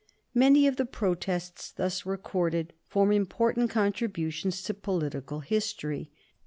Many of the protests thus recorded form important contributions to political history.